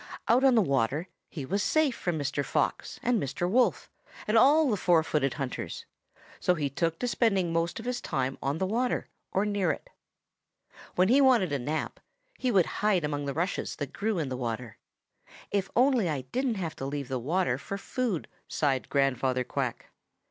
Out on the water he was safe from Mr. Fox and Mr. Wolf and all the other four footed hunters. So he took to spending most of his time on the water or near it. When he wanted a nap, he would hide among the rushes that grew in the water. 'If only I didn't have to leave the water for food!' sighed Grandfather Quack.